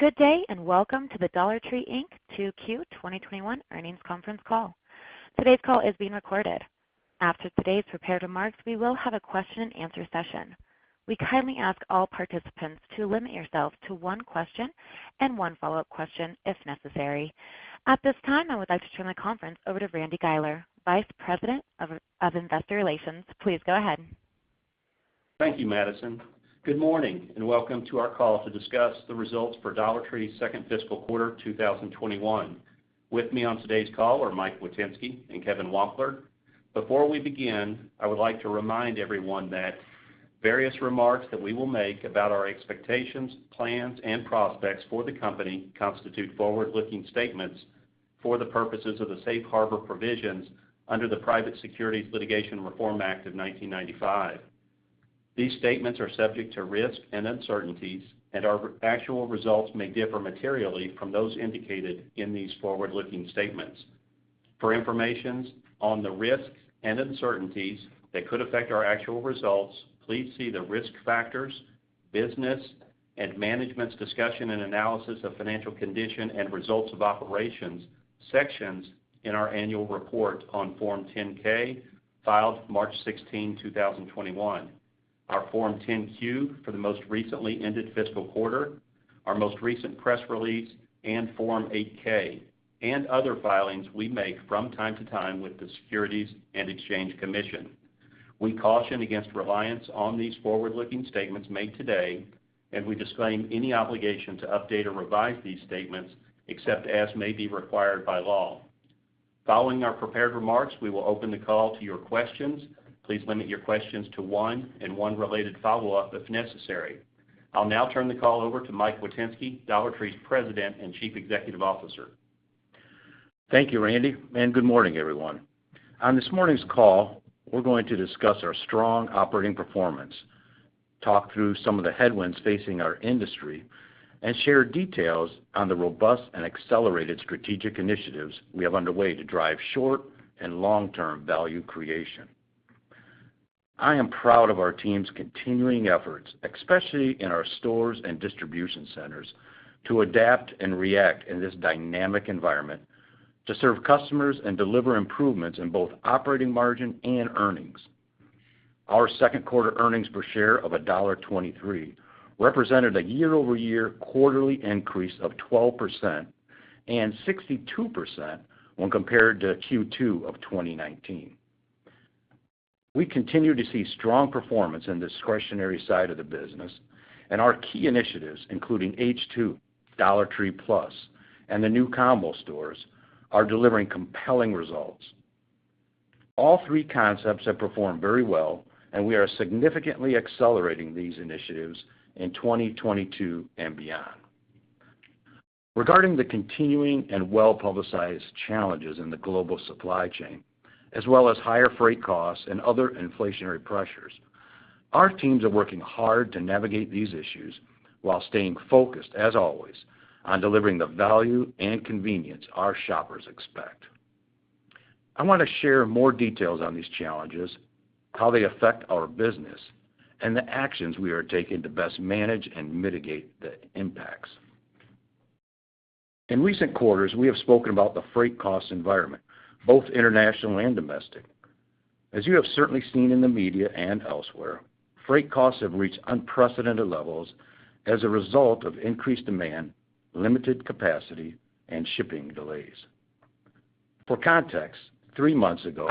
Good day, and welcome to the Dollar Tree, Inc. 2Q 2021 earnings conference call. Today's call is being recorded. After today's prepared remarks, we will have a question and answer session. We kindly ask all participants to limit yourself to one question and one follow-up question if necessary. At this time, I would like to turn the conference over to Randy Guiler, Vice President of Investor Relations. Please go ahead. Thank you, Madison. Good morning, and welcome to our call to discuss the results for Dollar Tree's second fiscal quarter 2021. With me on today's call are Mike Witynski and Kevin Wampler. Before we begin, I would like to remind everyone that various remarks that we will make about our expectations, plans, and prospects for the company constitute forward-looking statements for the purposes of the safe harbor provisions under the Private Securities Litigation Reform Act of 1995. These statements are subject to risks and uncertainties, and our actual results may differ materially from those indicated in these forward-looking statements. For information on the risks and uncertainties that could affect our actual results, please see the risk factors, business and Management's Discussion and Analysis of Financial Condition and Results of Operations sections in our annual report on Form 10-K filed March 16, 2021, our Form 10-Q for the most recently ended fiscal quarter, our most recent press release, and Form 8-K, and other filings we make from time to time with the Securities and Exchange Commission. We caution against reliance on these forward-looking statements made today, and we disclaim any obligation to update or revise these statements except as may be required by law. Following our prepared remarks, we will open the call to your questions. Please limit your questions to one and one related follow-up if necessary. I'll now turn the call over to Mike Witynski, Dollar Tree's President and Chief Executive Officer. Thank you, Randy. Good morning, everyone. On this morning's call, we're going to discuss our strong operating performance, talk through some of the headwinds facing our industry, and share details on the robust and accelerated strategic initiatives we have underway to drive short and long-term value creation. I am proud of our team's continuing efforts, especially in our stores and distribution centers, to adapt and react in this dynamic environment to serve customers and deliver improvements in both operating margin and earnings. Our second quarter earnings per share of $1.23 represented a year-over-year quarterly increase of 12% and 62% when compared to Q2 of 2019. We continue to see strong performance in the discretionary side of the business, and our key initiatives, including H2, Dollar Tree Plus, and the new Combo Stores, are delivering compelling results. All three concepts have performed very well, and we are significantly accelerating these initiatives in 2022 and beyond. Regarding the continuing and well-publicized challenges in the global supply chain, as well as higher freight costs and other inflationary pressures, our teams are working hard to navigate these issues while staying focused, as always, on delivering the value and convenience our shoppers expect. I want to share more details on these challenges, how they affect our business, and the actions we are taking to best manage and mitigate the impacts. In recent quarters, we have spoken about the freight cost environment, both international and domestic. As you have certainly seen in the media and elsewhere, freight costs have reached unprecedented levels as a result of increased demand, limited capacity, and shipping delays. For context, three months ago,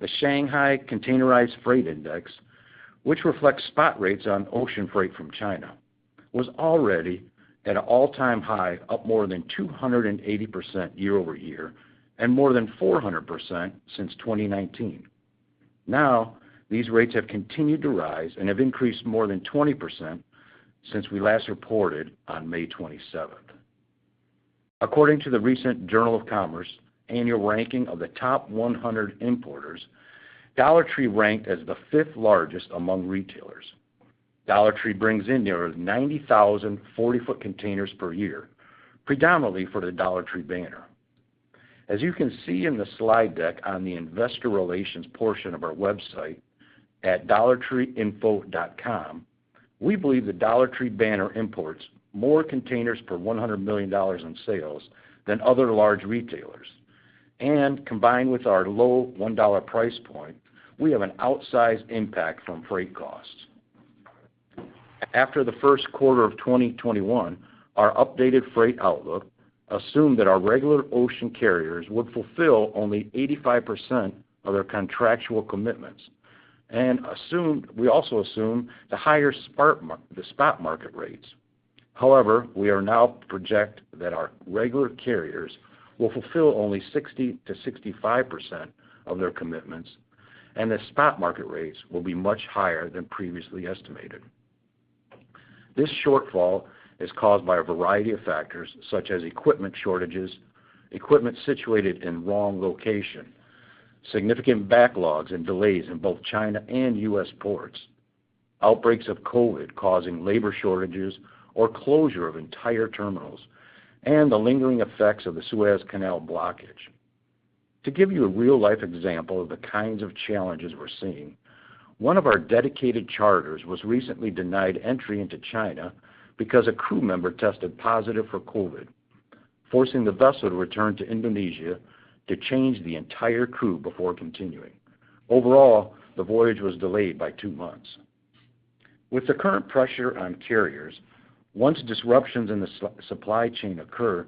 the Shanghai Containerized Freight Index, which reflects spot rates on ocean freight from China, was already at an all-time high, up more than 280% year-over-year and more than 400% since 2019. These rates have continued to rise and have increased more than 20% since we last reported on May 27th. According to the recent Journal of Commerce annual ranking of the top 100 importers, Dollar Tree ranked as the fifth largest among retailers. Dollar Tree brings in nearly 90,000 40-foot containers per year, predominantly for the Dollar Tree banner. As you can see in the slide deck on the Investor Relations portion of our website at dollartreeinfo.com, we believe the Dollar Tree banner imports more containers per $100 million in sales than other large retailers, and combined with our low $1 price point, we have an outsized impact from freight costs. After the first quarter of 2021, our updated freight outlook assumed that our regular ocean carriers would fulfill only 85% of their contractual commitments, and we also assumed the spot market rates. However, we now project that our regular carriers will fulfill only 60%-65% of their commitments and the spot market rates will be much higher than previously estimated. This shortfall is caused by a variety of factors such as equipment shortages, equipment situated in wrong location, significant backlogs and delays in both China and U.S. ports, outbreaks of COVID causing labor shortages or closure of entire terminals, and the lingering effects of the Suez Canal blockage. To give you a real-life example of the kinds of challenges we're seeing, one of our dedicated charters was recently denied entry into China because a crew member tested positive for COVID, forcing the vessel to return to Indonesia to change the entire crew before continuing. Overall, the voyage was delayed by two months. With the current pressure on carriers, once disruptions in the supply chain occur,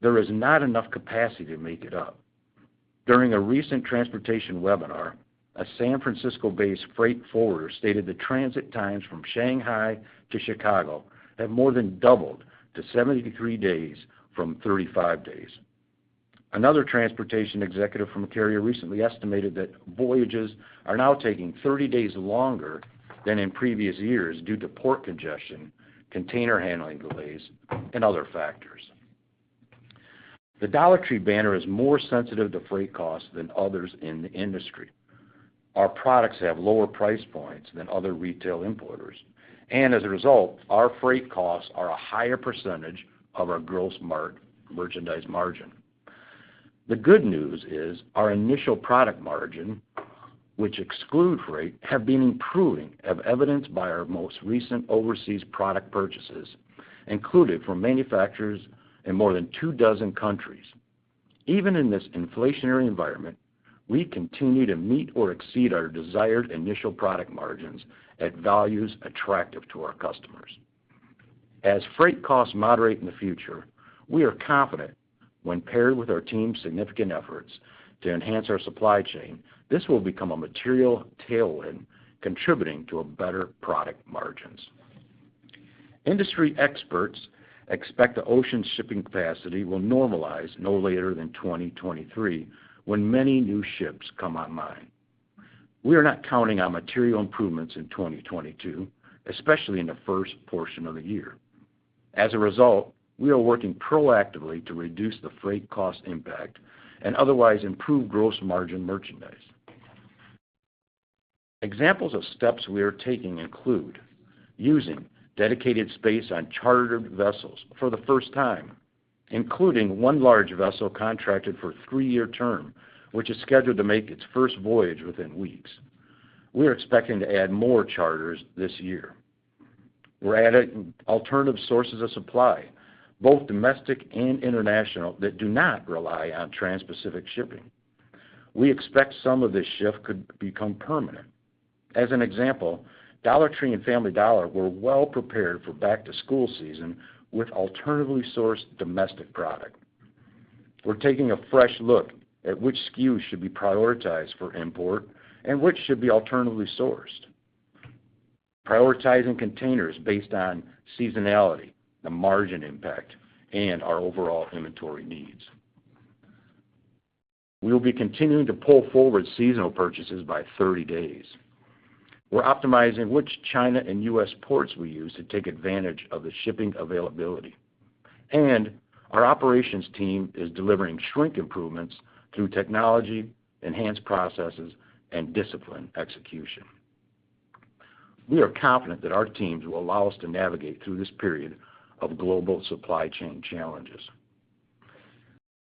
there is not enough capacity to make it up. During a recent transportation webinar, a San Francisco-based freight forwarder stated that transit times from Shanghai to Chicago have more than doubled to 73 days from 35 days. Another transportation executive from a carrier recently estimated that voyages are now taking 30 days longer than in previous years due to port congestion, container handling delays, and other factors. The Dollar Tree banner is more sensitive to freight costs than others in the industry. Our products have lower price points than other retail importers, and as a result, our freight costs are a higher percentage of our gross merchandise margin. The good news is our initial product margin, which exclude freight, have been improving as evidenced by our most recent overseas product purchases, including from manufacturers in more than two dozen countries. Even in this inflationary environment, we continue to meet or exceed our desired initial product margins at values attractive to our customers. As freight costs moderate in the future, we are confident when paired with our team's significant efforts to enhance our supply chain, this will become a material tailwind contributing to better product margins. Industry experts expect the ocean shipping capacity will normalize no later than 2023, when many new ships come online. We are not counting on material improvements in 2022, especially in the first portion of the year. As a result, we are working proactively to reduce the freight cost impact and otherwise improve gross margin merchandise. Examples of steps we are taking include using dedicated space on chartered vessels for the first time, including one large vessel contracted for a three-year term, which is scheduled to make its first voyage within weeks. We're expecting to add more charters this year. We're adding alternative sources of supply, both domestic and international, that do not rely on transpacific shipping. We expect some of this shift could become permanent. As an example, Dollar Tree and Family Dollar were well prepared for back-to-school season with alternatively sourced domestic product. We're taking a fresh look at which SKUs should be prioritized for import and which should be alternatively sourced, prioritizing containers based on seasonality, the margin impact, and our overall inventory needs. We will be continuing to pull forward seasonal purchases by 30 days. We're optimizing which China and U.S. ports we use to take advantage of the shipping availability, and our operations team is delivering shrink improvements through technology, enhanced processes, and disciplined execution. We are confident that our teams will allow us to navigate through this period of global supply chain challenges.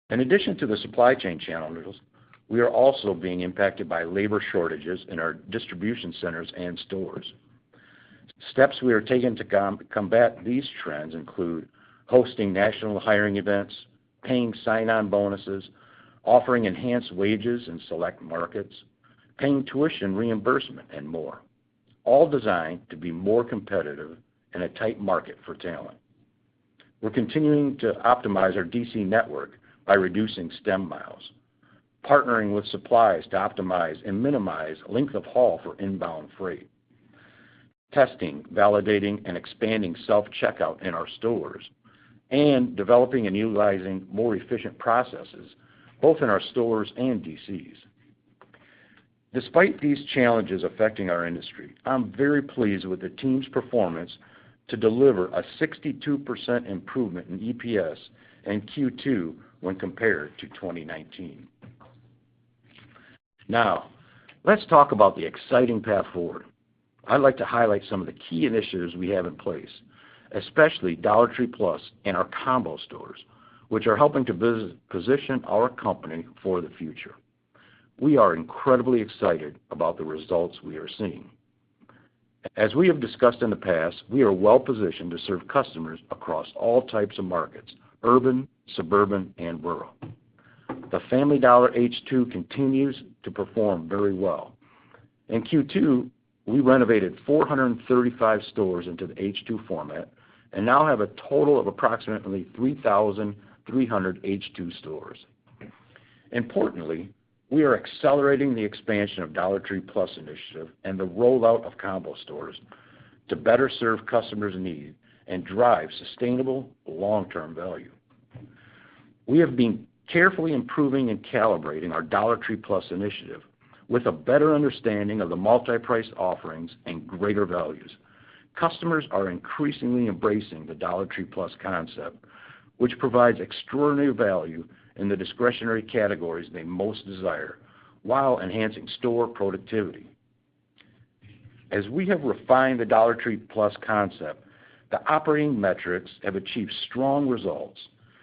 In addition to the supply chain challenges, we are also being impacted by labor shortages in our distribution centers and stores. Steps we are taking to combat these trends include hosting national hiring events, paying sign-on bonuses, offering enhanced wages in select markets, paying tuition reimbursement, and more, all designed to be more competitive in a tight market for talent. We're continuing to optimize our DC network by reducing stem miles, partnering with suppliers to optimize and minimize length of haul for inbound freight, testing, validating, and expanding self-checkout in our stores, and developing and utilizing more efficient processes both in our stores and DCs. Despite these challenges affecting our industry, I'm very pleased with the team's performance to deliver a 62% improvement in EPS in Q2 when compared to 2019. Now, let's talk about the exciting path forward. I'd like to highlight some of the key initiatives we have in place, especially Dollar Tree Plus and our Combo Stores, which are helping to position our company for the future. We are incredibly excited about the results we are seeing. As we have discussed in the past, we are well positioned to serve customers across all types of markets, urban, suburban, and rural. The Family Dollar H2 continues to perform very well. In Q2, we renovated 435 stores into the H2 format and now have a total of approximately 3,300 H2 stores. Importantly, we are accelerating the expansion of Dollar Tree Plus initiative and the rollout of Combo Stores to better serve customers' needs and drive sustainable long-term value. We have been carefully improving and calibrating our Dollar Tree Plus initiative with a better understanding of the multi-priced offerings and greater values. Customers are increasingly embracing the Dollar Tree Plus concept, which provides extraordinary value in the discretionary categories they most desire while enhancing store productivity. As we have refined the Dollar Tree Plus concept, the operating metrics have achieved strong results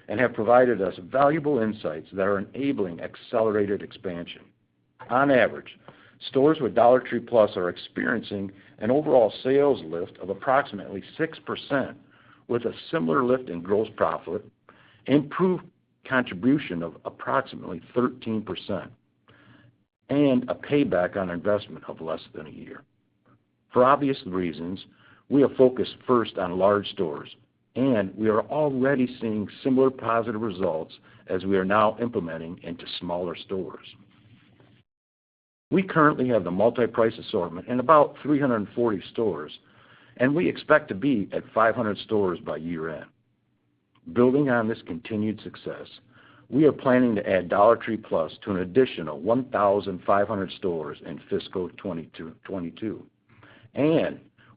and have provided us valuable insights that are enabling accelerated expansion. On average, stores with Dollar Tree Plus are experiencing an overall sales lift of approximately 6%, with a similar lift in gross profit, improved contribution of approximately 13%, and a payback on investment of less than a year. For obvious reasons, we are focused first on large stores, and we are already seeing similar positive results as we are now implementing into smaller stores. We currently have the multi-price assortment in about 340 stores, and we expect to be at 500 stores by year-end. Building on this continued success, we are planning to add Dollar Tree Plus to an additional 1,500 stores in fiscal 2022.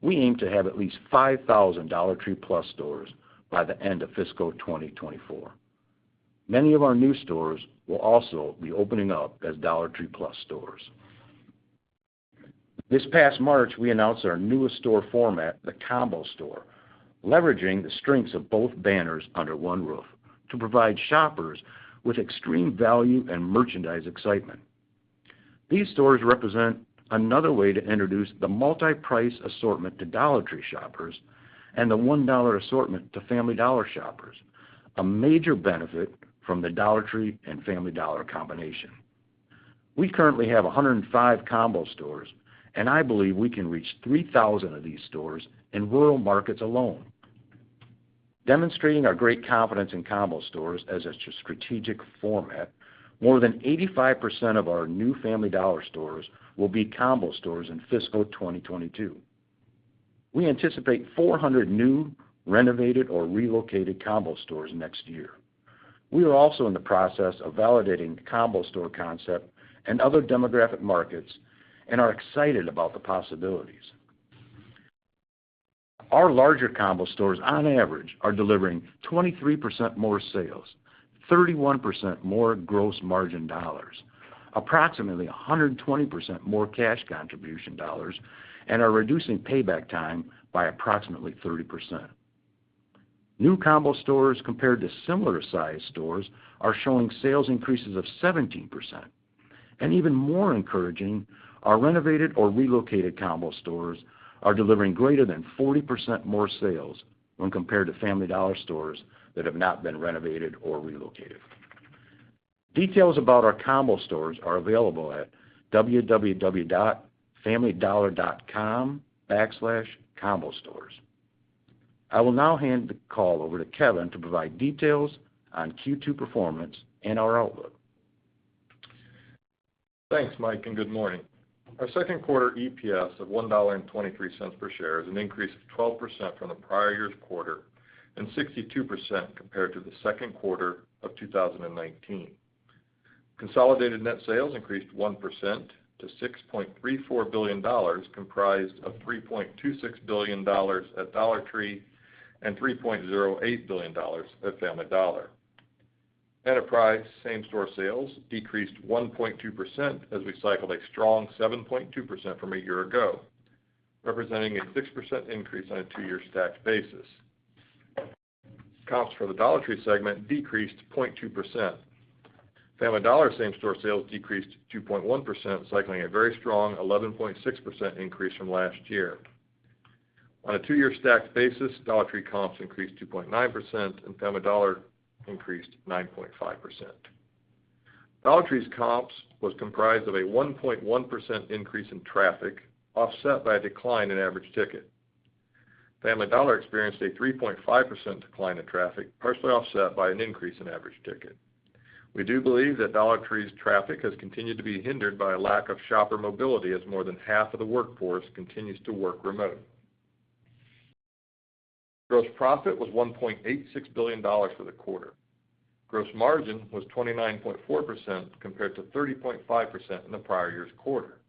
We aim to have at least 5,000 Dollar Tree Plus stores by the end of fiscal 2024. Many of our new stores will also be opening up as Dollar Tree Plus stores. This past March, we announced our newest store format, the Combo Store, leveraging the strengths of both banners under one roof to provide shoppers with extreme value and merchandise excitement. These stores represent another way to introduce the multi-price assortment to Dollar Tree shoppers and the $1 assortment to Family Dollar shoppers, a major benefit from the Dollar Tree and Family Dollar combination. We currently have 105 Combo stores. I believe we can reach 3,000 of these stores in rural markets alone. Demonstrating our great confidence in Combo Stores as a strategic format, more than 85% of our new Family Dollar stores will be Combo Stores in fiscal 2022. We anticipate 400 new, renovated, or relocated Combo Stores next year. We are also in the process of validating the Combo Store concept in other demographic markets and are excited about the possibilities. Our larger Combo Stores, on average, are delivering 23% more sales, 31% more gross margin dollars, approximately 120% more cash contribution dollars, and are reducing payback time by approximately 30%. New Combo Stores, compared to similar sized stores, are showing sales increases of 17%. Even more encouraging, our renovated or relocated Combo Stores are delivering greater than 40% more sales when compared to Family Dollar stores that have not been renovated or relocated. Details about our Combo Stores are available at www.familydollar.com/combostores. I will now hand the call over to Kevin to provide details on Q2 performance and our outlook. Thanks, Mike. Good morning. Our second quarter EPS of $1.23 per share is an increase of 12% from the prior year's quarter and 62% compared to the second quarter of 2019. Consolidated net sales increased 1% to $6.34 billion, comprised of $3.26 billion at Dollar Tree and $3.08 billion at Family Dollar. Enterprise same-store sales decreased 1.2% as we cycled a strong 7.2% from a year ago, representing a 6% increase on a two-year stacked basis. Comps for the Dollar Tree segment decreased 0.2%. Family Dollar same-store sales decreased 2.1%, cycling a very strong 11.6% increase from last year. On a two-year stacked basis, Dollar Tree comps increased 2.9% and Family Dollar increased 9.5%. Dollar Tree's comps was comprised of a 1.1% increase in traffic, offset by a decline in average ticket. Family Dollar experienced a 3.5% decline in traffic, partially offset by an increase in average ticket. We do believe that Dollar Tree's traffic has continued to be hindered by a lack of shopper mobility as more than half of the workforce continues to work remotely. Gross profit was $1.86 billion for the quarter. Gross margin was 29.4% compared to 30.5% in the prior year's quarter.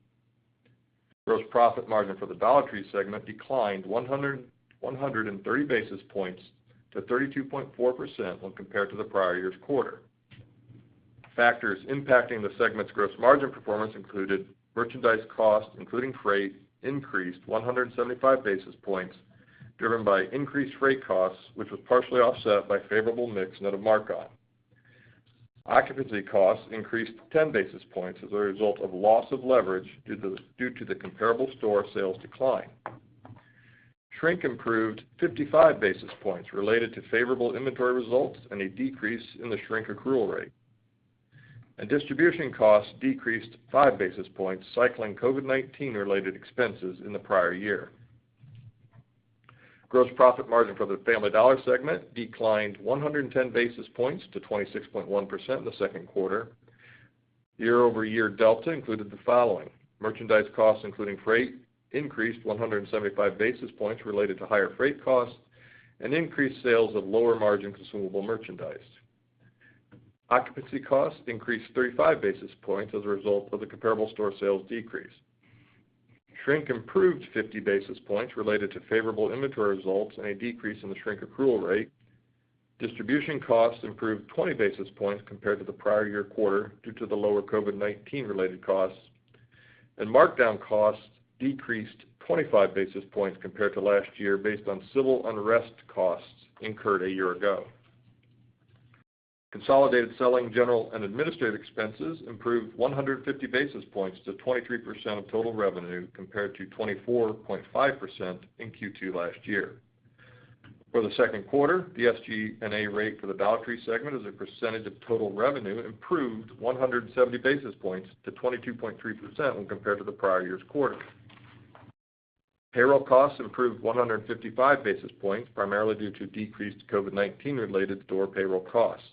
Gross profit margin for the Dollar Tree segment declined 130 basis points to 32.4% when compared to the prior year's quarter. Factors impacting the segment's gross margin performance included merchandise costs, including freight, increased 175 basis points, driven by increased freight costs, which was partially offset by favorable mix net of mark-on. Occupancy costs increased 10 basis points as a result of loss of leverage due to the comparable store sales decline. Shrink improved 55 basis points related to favorable inventory results and a decrease in the shrink accrual rate. Distribution costs decreased 5 basis points, cycling COVID-19 related expenses in the prior year. Gross profit margin for the Family Dollar segment declined 110 basis points to 26.1% in the second quarter. Year-over-year delta included the following: Merchandise costs, including freight, increased 175 basis points related to higher freight costs and increased sales of lower margin consumable merchandise. Occupancy costs increased 35 basis points as a result of the comparable store sales decrease. Shrink improved 50 basis points related to favorable inventory results and a decrease in the shrink accrual rate. Distribution costs improved 20 basis points compared to the prior year quarter due to the lower COVID-19 related costs, and markdown costs decreased 25 basis points compared to last year based on civil unrest costs incurred a year ago. Consolidated selling, general and administrative expenses improved 150 basis points to 23% of total revenue compared to 24.5% in Q2 last year. For the second quarter, the SG&A rate for the Dollar Tree segment as a percentage of total revenue improved 170 basis points to 22.3% when compared to the prior year's quarter. Payroll costs improved 155 basis points, primarily due to decreased COVID-19 related store payroll costs.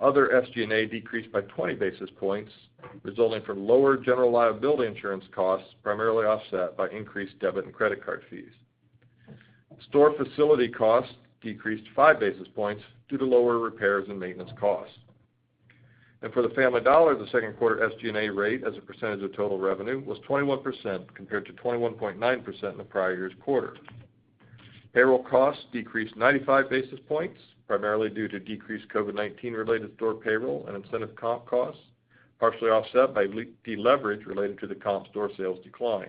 Other SG&A decreased by 20 basis points, resulting from lower general liability insurance costs, primarily offset by increased debit and credit card fees. Store facility costs decreased 5 basis points due to lower repairs and maintenance costs. For the Family Dollar, the second quarter SG&A rate as a percentage of total revenue was 21% compared to 21.9% in the prior year's quarter. Payroll costs decreased 95 basis points, primarily due to decreased COVID-19 related store payroll and incentive comp costs, partially offset by deleverage related to the comp store sales decline.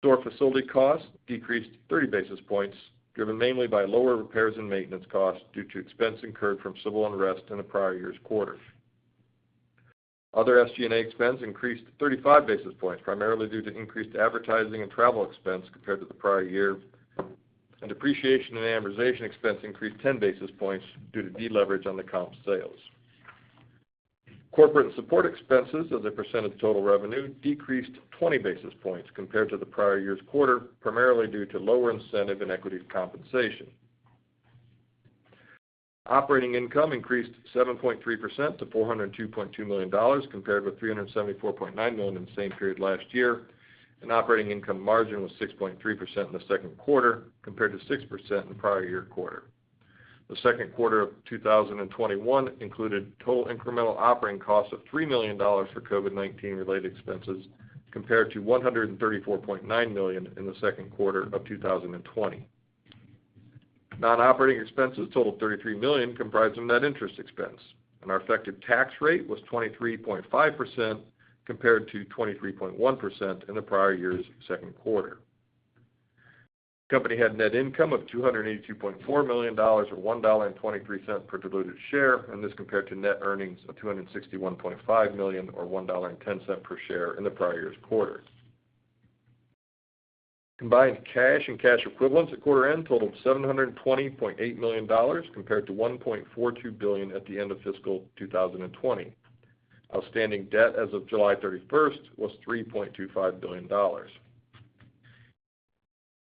Store facility costs decreased 30 basis points, driven mainly by lower repairs and maintenance costs due to expense incurred from civil unrest in the prior year's quarter. Other SG&A expense increased 35 basis points, primarily due to increased advertising and travel expense compared to the prior year, and depreciation and amortization expense increased 10 basis points due to deleverage on the comp sales. Corporate and support expenses as a percent of total revenue decreased 20 basis points compared to the prior year's quarter, primarily due to lower incentive and equity compensation. Operating income increased 7.3% to $402.2 million compared with $374.9 million in the same period last year, operating income margin was 6.3% in the second quarter compared to 6% in prior year quarter. The second quarter of 2021 included total incremental operating costs of $3 million for COVID-19 related expenses compared to $134.9 million in the second quarter of 2020. Non-operating expenses totaled $33 million, comprised of net interest expense. Our effective tax rate was 23.5% compared to 23.1% in the prior year's second quarter. The company had net income of $282.4 million, or $1.23 per diluted share, this compared to net earnings of $261.5 million or $1.10 per share in the prior year's quarter. Combined cash and cash equivalents at quarter end totaled $720.8 million compared to $1.42 billion at the end of fiscal 2020. Outstanding debt as of July 31st was $3.25 billion.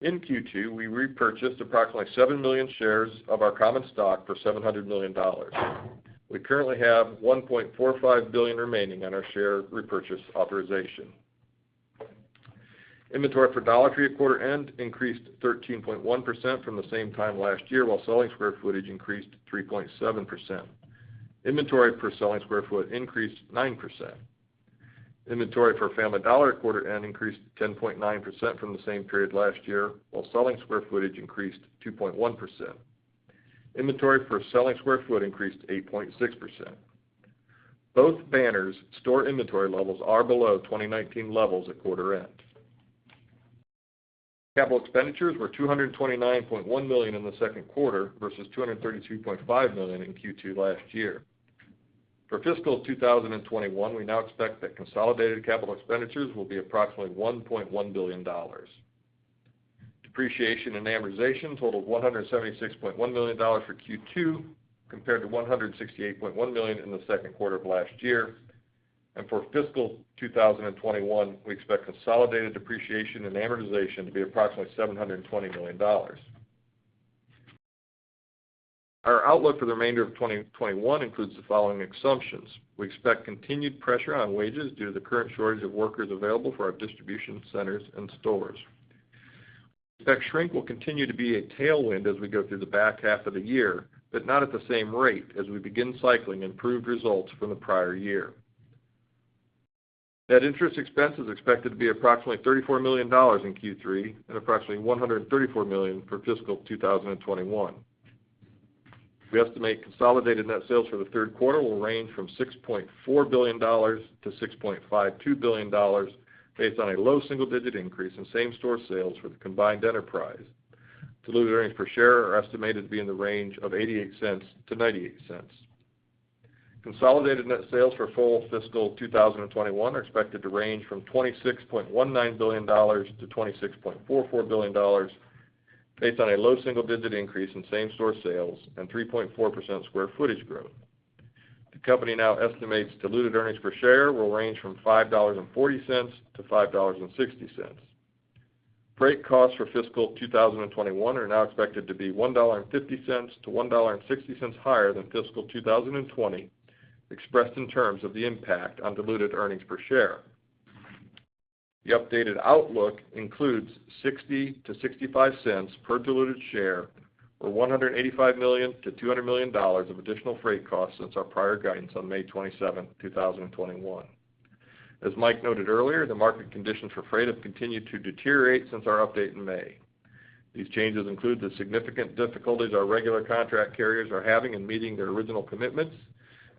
In Q2, we repurchased approximately 7 million shares of our common stock for $700 million. We currently have $1.45 billion remaining on our share repurchase authorization. Inventory for Dollar Tree at quarter end increased 13.1% from the same time last year, while selling square footage increased 3.7%. Inventory per selling square foot increased 9%. Inventory for Family Dollar at quarter end increased 10.9% from the same period last year, while selling square footage increased 2.1%. Inventory per selling square foot increased 8.6%. Both banners' store inventory levels are below 2019 levels at quarter end. Capital expenditures were $229.1 million in the second quarter versus $232.5 million in Q2 last year. For fiscal 2021, we now expect that consolidated capital expenditures will be approximately $1.1 billion. Depreciation and amortization totaled $176.1 million for Q2 compared to $168.1 million in the second quarter of last year. For fiscal 2021, we expect consolidated depreciation and amortization to be approximately $720 million. Our outlook for the remainder of 2021 includes the following assumptions. We expect continued pressure on wages due to the current shortage of workers available for our distribution centers and stores. We expect shrink will continue to be a tailwind as we go through the back half of the year, but not at the same rate as we begin cycling improved results from the prior year. Net interest expense is expected to be approximately $34 million in Q3 and approximately $134 million for fiscal 2021. We estimate consolidated net sales for the third quarter will range from $6.4 billion-$6.52 billion based on a low single-digit increase in same-store sales for the combined enterprise. Diluted earnings per share are estimated to be in the range of $0.88-$0.98. Consolidated net sales for full fiscal 2021 are expected to range from $26.19 billion-$26.44 billion based on a low double-digit increase in same-store sales and 3.4% square footage growth. The company now estimates diluted earnings per share will range from $5.40-$5.60. Freight costs for fiscal 2021 are now expected to be $1.50-$1.60 higher than fiscal 2020, expressed in terms of the impact on diluted earnings per share. The updated outlook includes $0.60-$0.65 per diluted share or $185 million-$200 million of additional freight costs since our prior guidance on May 27th, 2021. As Mike noted earlier, the market conditions for freight have continued to deteriorate since our update in May. These changes include the significant difficulties our regular contract carriers are having in meeting their original commitments,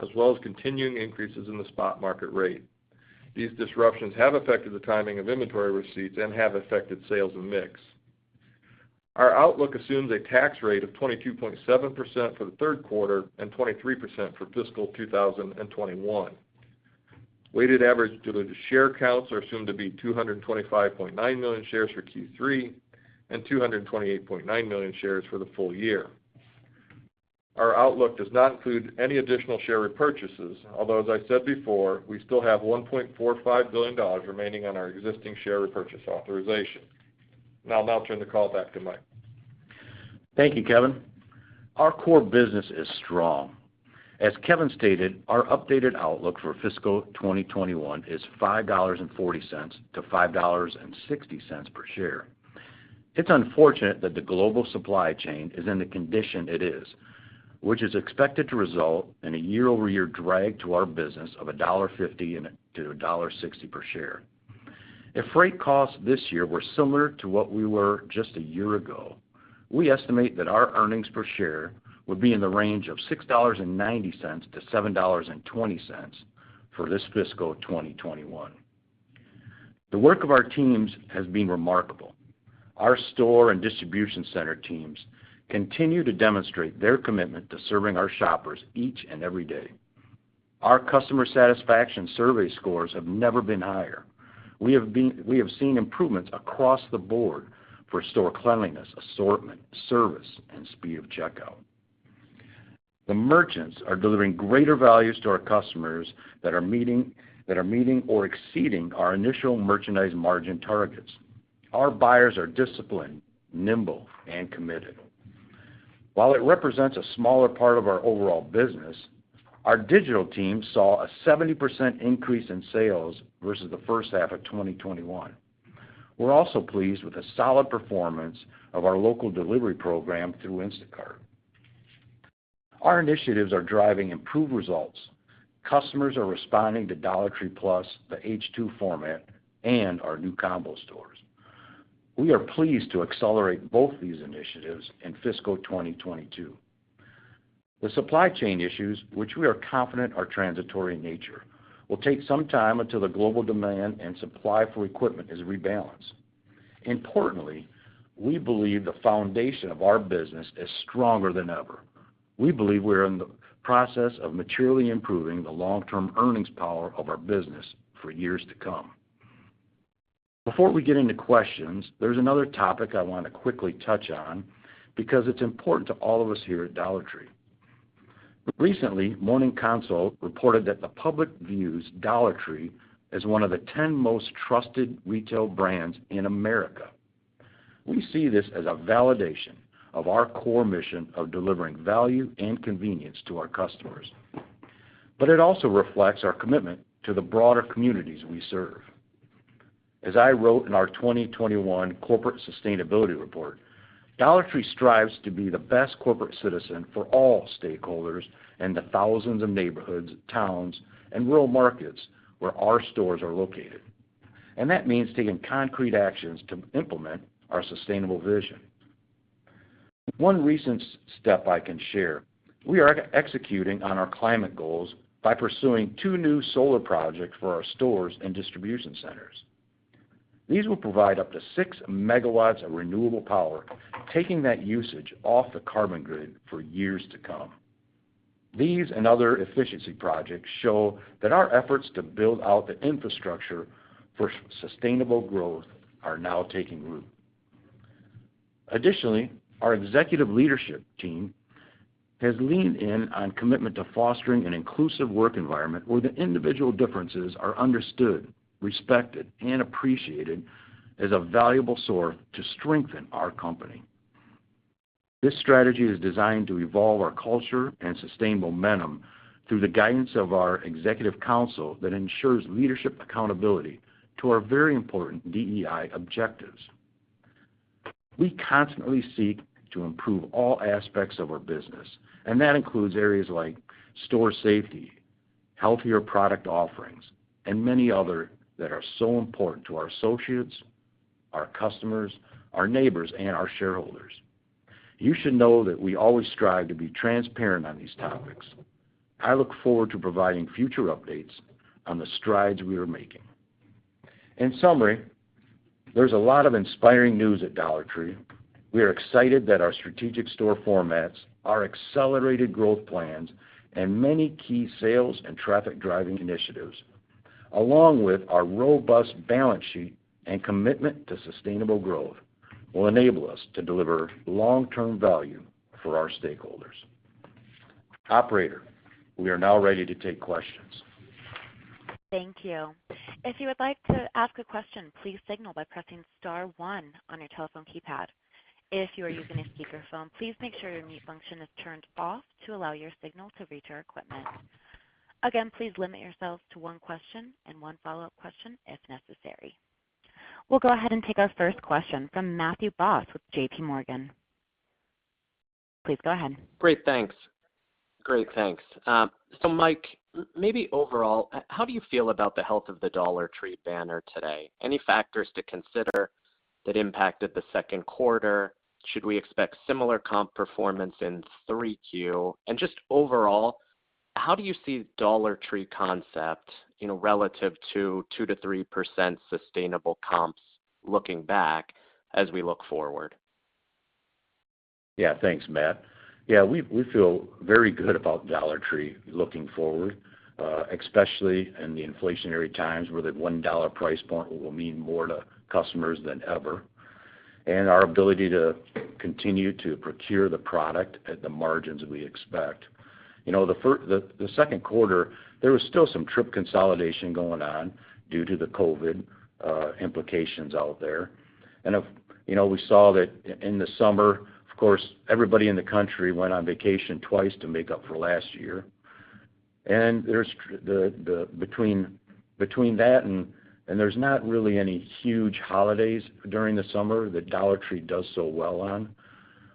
as well as continuing increases in the spot market rate. These disruptions have affected the timing of inventory receipts and have affected sales and mix. Our outlook assumes a tax rate of 22.7% for the third quarter and 23% for fiscal 2021. Weighted average diluted share counts are assumed to be 225.9 million shares for Q3 and 228.9 million shares for the full year. Our outlook does not include any additional share repurchases, although, as I said before, we still have $1.45 billion remaining on our existing share repurchase authorization. I'll now turn the call back to Mike. Thank you, Kevin. Our core business is strong. As Kevin stated, our updated outlook for fiscal 2021 is $5.40-$5.60 per share. It's unfortunate that the global supply chain is in the condition it is, which is expected to result in a year-over-year drag to our business of $1.50-$1.60 per share. If freight costs this year were similar to what we were just a year ago, we estimate that our earnings per share would be in the range of $6.90-$7.20 for this fiscal 2021. The work of our teams has been remarkable. Our store and distribution center teams continue to demonstrate their commitment to serving our shoppers each and every day. Our customer satisfaction survey scores have never been higher. We have seen improvements across the board for store cleanliness, assortment, service, and speed of checkout. The merchants are delivering greater values to our customers that are meeting or exceeding our initial merchandise margin targets. Our buyers are disciplined, nimble, and committed. While it represents a smaller part of our overall business, our digital team saw a 70% increase in sales versus the first half of 2021. We're also pleased with the solid performance of our local delivery program through Instacart. Our initiatives are driving improved results. Customers are responding to Dollar Tree Plus, the H2 format, and our new Combo Stores. We are pleased to accelerate both these initiatives in fiscal 2022. The supply chain issues, which we are confident are transitory in nature, will take some time until the global demand and supply for equipment is rebalanced. Importantly, we believe the foundation of our business is stronger than ever. We believe we're in the process of materially improving the long-term earnings power of our business for years to come. Before we get into questions, there's another topic I want to quickly touch on because it's important to all of us here at Dollar Tree. Recently, Morning Consult reported that the public views Dollar Tree as one of the 10 most trusted retail brands in America. We see this as a validation of our core mission of delivering value and convenience to our customers, but it also reflects our commitment to the broader communities we serve. As I wrote in our 2021 corporate sustainability report, Dollar Tree strives to be the best corporate citizen for all stakeholders and the thousands of neighborhoods, towns, and rural markets where our stores are located. That means taking concrete actions to implement our sustainable vision. One recent step I can share, we are executing on our climate goals by pursuing two new solar projects for our stores and distribution centers. These will provide up to 6 MW of renewable power, taking that usage off the carbon grid for years to come. These and other efficiency projects show that our efforts to build out the infrastructure for sustainable growth are now taking root. Additionally, our executive leadership team has leaned in on commitment to fostering an inclusive work environment where the individual differences are understood, respected, and appreciated as a valuable source to strengthen our company. This strategy is designed to evolve our culture and sustain momentum through the guidance of our executive council that ensures leadership accountability to our very important DEI objectives. We constantly seek to improve all aspects of our business, and that includes areas like store safety, healthier product offerings, and many other that are so important to our associates, our customers, our neighbors, and our shareholders. You should know that we always strive to be transparent on these topics. I look forward to providing future updates on the strides we are making. In summary, there's a lot of inspiring news at Dollar Tree. We are excited that our strategic store formats, our accelerated growth plans, and many key sales and traffic-driving initiatives, along with our robust balance sheet and commitment to sustainable growth, will enable us to deliver long-term value for our stakeholders. Operator, we are now ready to take questions. Thank you. We'll go ahead and take our first question from Matthew Boss with J.P. Morgan. Please go ahead. Great, thanks. Mike, maybe overall, how do you feel about the health of the Dollar Tree banner today? Any factors to consider that impacted the second quarter? Should we expect similar comp performance in 3Q? Just overall, how do you see Dollar Tree concept, relative to 2%-3% sustainable comps looking back as we look forward? Thanks, Matt. We feel very good about Dollar Tree looking forward, especially in the inflationary times where that $1 price point will mean more to customers than ever, and our ability to continue to procure the product at the margins we expect. The second quarter, there was still some trip consolidation going on due to the COVID implications out there. We saw that in the summer, of course, everybody in the country went on vacation twice to make up for last year. Between that and there's not really any huge holidays during the summer that Dollar Tree does so well on.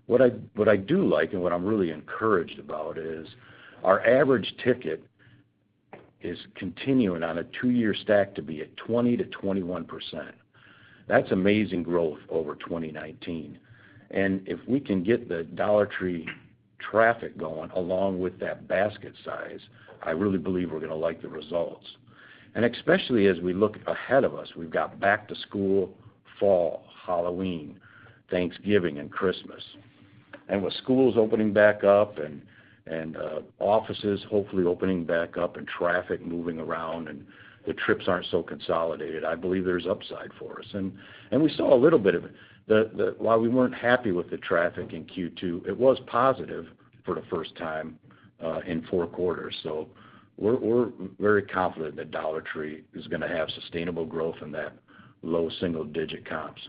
What I do like and what I'm really encouraged about is our average ticket is continuing on a two-year stack to be at 20%-21%. That's amazing growth over 2019. If we can get the Dollar Tree traffic going along with that basket size, I really believe we're going to like the results. Especially as we look ahead of us, we've got back to school, fall, Halloween, Thanksgiving, and Christmas. With schools opening back up and offices hopefully opening back up and traffic moving around, and the trips aren't so consolidated, I believe there's upside for us. We saw a little bit of it. While we weren't happy with the traffic in Q2, it was positive for the first time, in four quarters. We're very confident that Dollar Tree is going to have sustainable growth in that low single-digit comps.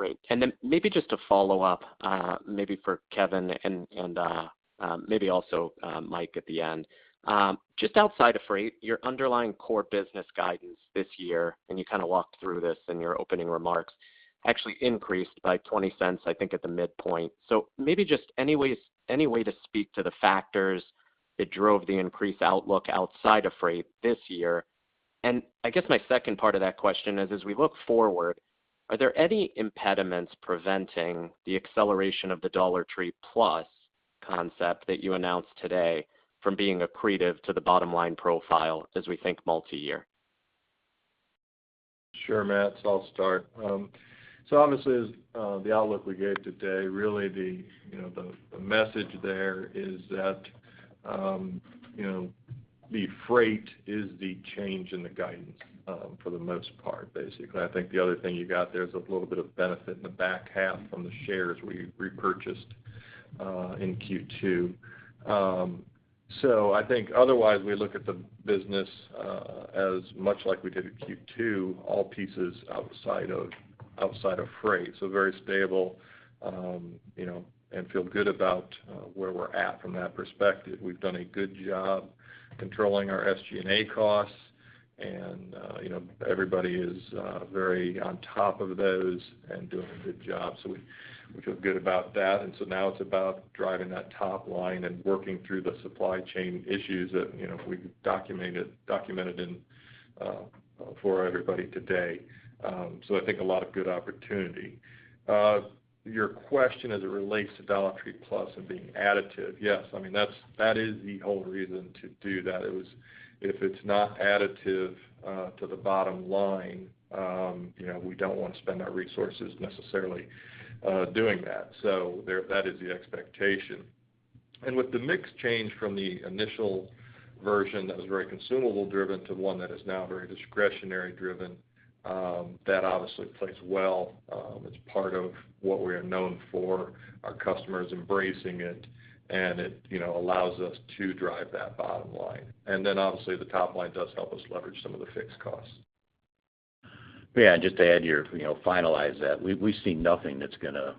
Great. Then maybe just to follow up, maybe for Kevin and maybe also Mike at the end. Just outside of freight, your underlying core business guidance this year, and you kind of walked through this in your opening remarks, actually increased by $0.20, I think, at the midpoint. Maybe just any way to speak to the factors that drove the increased outlook outside of freight this year? I guess my second part of that question is, as we look forward, are there any impediments preventing the acceleration of the Dollar Tree Plus concept that you announced today from being accretive to the bottom-line profile as we think multi-year? Sure, Matt, I'll start. Obviously as the outlook we gave today, really the message there is that the freight is the change in the guidance, for the most part, basically. I think the other thing you got there is a little bit of benefit in the back half from the shares we repurchased in Q2. I think otherwise we look at the business, as much like we did at Q2, all pieces outside of freight, so very stable, and feel good about where we're at from that perspective. We've done a good job controlling our SG&A costs and everybody is very on top of those and doing a good job, so we feel good about that. Now it's about driving that top line and working through the supply chain issues that we've documented for everybody today. I think a lot of good opportunity. Your question as it relates to Dollar Tree Plus and being additive, yes. I mean, that is the whole reason to do that. If it's not additive to the bottom line, we don't want to spend our resources necessarily doing that. There, that is the expectation. With the mix change from the initial version that was very consumable driven to one that is now very discretionary driven, that obviously plays well. It's part of what we are known for, our customers embracing it, and it allows us to drive that bottom line. Obviously the top line does help us leverage some of the fixed costs. Just to add here, finalize that, we see nothing that's going to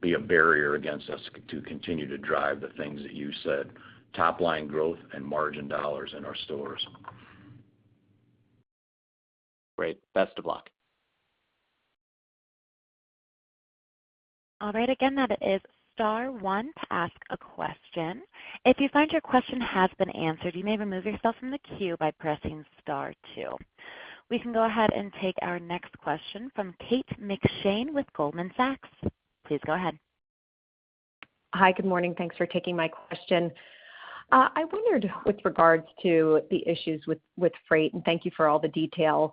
be a barrier against us to continue to drive the things that you said, top line growth and margin dollars in our stores. Great. Best of luck. We can go ahead and take our next question from Kate McShane with Goldman Sachs. Please go ahead. Hi. Good morning. Thanks for taking my question. I wondered with regards to the issues with freight, thank you for all the detail.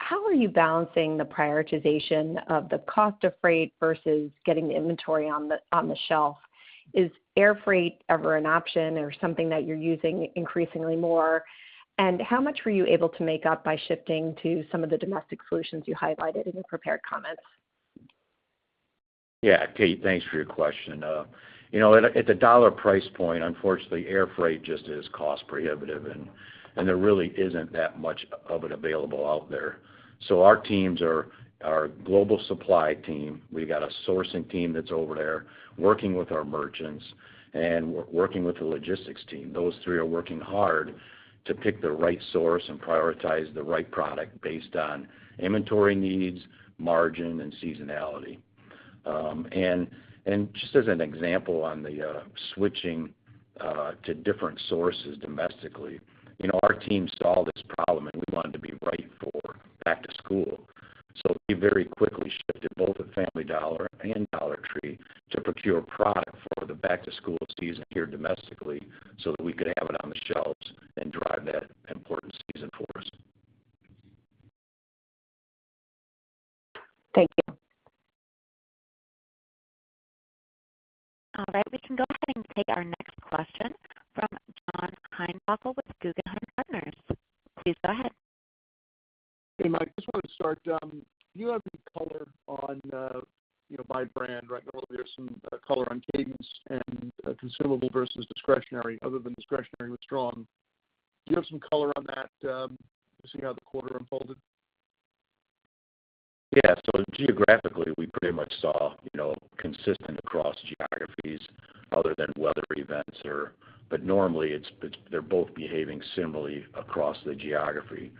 How are you balancing the prioritization of the cost of freight versus getting the inventory on the shelf? Is air freight ever an option or something that you're using increasingly more? How much were you able to make up by shifting to some of the domestic solutions you highlighted in your prepared comments? Yeah. Kate, thanks for your question. At the Dollar price point, unfortunately, air freight just is cost prohibitive and there really isn't that much of it available out there. Our teams are our global supply team. We've got a sourcing team that's over there working with our merchants and working with the logistics team. Those three are working hard to pick the right source and prioritize the right product based on inventory needs, margin, and seasonality. Just as an example on the switching to different sources domestically, our team solved this problem, and we wanted to be right for back to school. We very quickly shifted both the Family Dollar and Dollar Tree to procure product for the back-to-school season here domestically so that we could have it on the shelves and drive that important season for us. Thank you. All right. We can go ahead and take our next question from John Heinbockel with Guggenheim Partners. Please go ahead. Hey, Mike, just wanted to start, do you have any color on, by brand, I know there's some color on cadence and consumable versus discretionary, other than discretionary was strong. Do you have some color on that, just seeing how the quarter unfolded? Yeah. Geographically, we pretty much saw consistent across geographies other than weather events. Normally, they're both behaving similarly across the geography.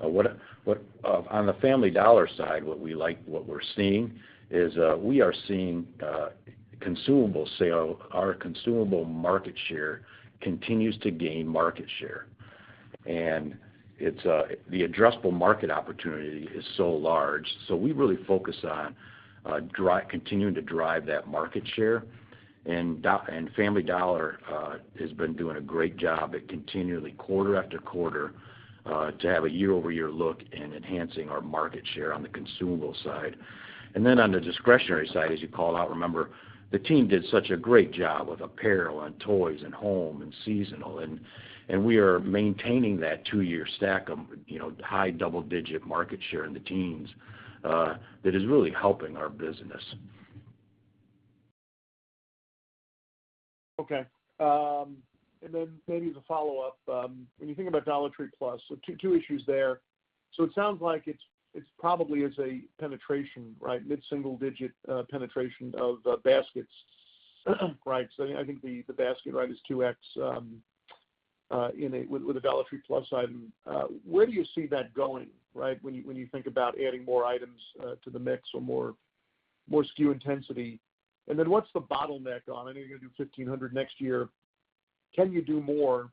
On the Family Dollar side, what we like what we're seeing is, we are seeing consumable sale. Our consumable market share continues to gain market share. The addressable market opportunity is so large, so we really focus on continuing to drive that market share. Family Dollar has been doing a great job at continually, quarter after quarter, to have a year-over-year look in enhancing our market share on the consumable side. On the discretionary side, as you called out, remember, the team did such a great job with apparel and toys and home and seasonal, and we are maintaining that two-year stack of high double-digit market share in the teens, that is really helping our business. Okay. Maybe as a follow-up, when you think about Dollar Tree Plus, two issues there. It sounds like it's probably is a penetration, right? Mid-single digit, penetration of baskets, right? I think the basket ring is 2x with the Dollar Tree Plus item. Where do you see that going, right, when you think about adding more items to the mix or more SKU intensity? What's the bottleneck on it? I know you're going to do 1,500 next year. Can you do more,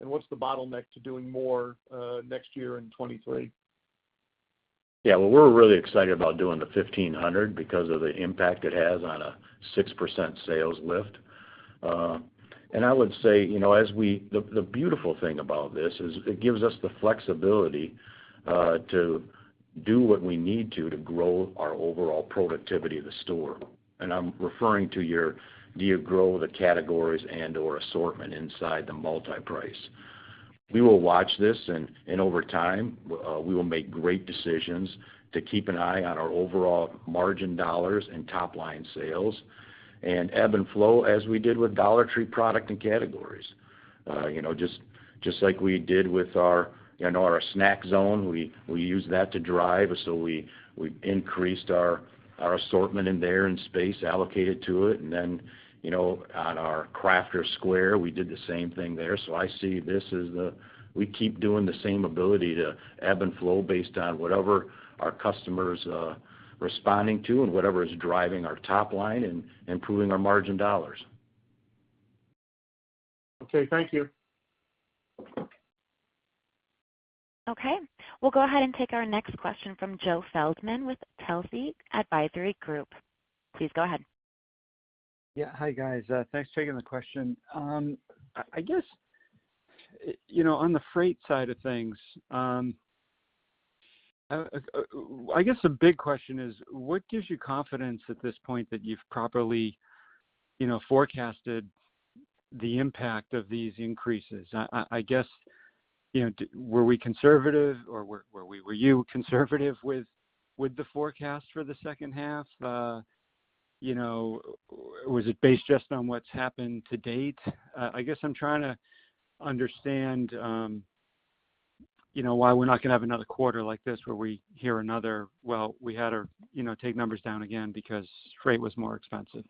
and what's the bottleneck to doing more next year in 2023? Yeah. Well, we're really excited about doing the 1,500 because of the impact it has on a 6% sales lift. I would say, the beautiful thing about this is it gives us the flexibility to do what we need to grow our overall productivity of the store. Do you grow the categories and/or assortment inside the multi-price. We will watch this, over time, we will make great decisions to keep an eye on our overall margin dollars and top-line sales and ebb and flow as we did with Dollar Tree product and categories. Just like we did with our Snack Zone. We used that to drive, we increased our assortment in there and space allocated to it. On our Crafter's Square, we did the same thing there. I see this as we keep doing the same ability to ebb and flow based on whatever our customers are responding to and whatever is driving our top line and improving our margin dollars. Okay. Thank you. Okay. We'll go ahead and take our next question from Joe Feldman with Telsey Advisory Group. Please go ahead. Yeah. Hi, guys. Thanks for taking the question. I guess, on the freight side of things, I guess the big question is, what gives you confidence at this point that you've properly forecasted the impact of these increases? I guess, were we conservative, or were you conservative with the forecast for the second half? Was it based just on what's happened to date? I guess I'm trying to understand why we're not going to have another quarter like this where we hear another, "Well, we had to take numbers down again because freight was more expensive.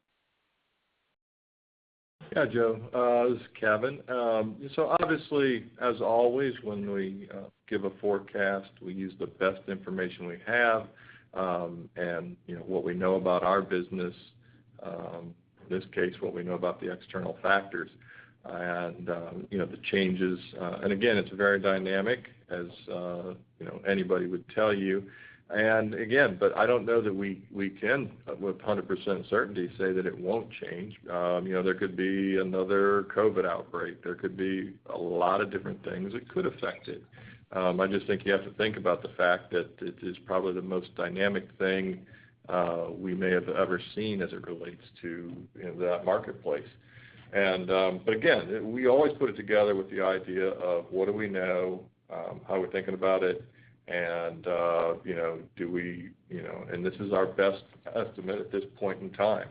Yeah, Joe. This is Kevin. Obviously, as always, when we give a forecast, we use the best information we have, and what we know about our business, in this case, what we know about the external factors and the changes. Again, it's very dynamic as anybody would tell you. Again, I don't know that we can with 100% certainty say that it won't change. There could be another COVID outbreak. There could be a lot of different things that could affect it. I just think you have to think about the fact that it is probably the most dynamic thing we may have ever seen as it relates to that marketplace. Again, we always put it together with the idea of what do we know, how are we thinking about it and this is our best estimate at this point in time.